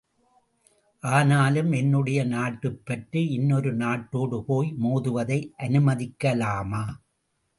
ஆனாலும் என்னுடைய நாட்டுப்பற்று, இன்னொரு நாட்டோடு போய் மோதுவதை அனுமதிக்கலாமா?